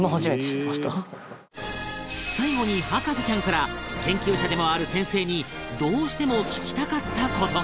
最後に博士ちゃんから研究者でもある先生にどうしても聞きたかった事が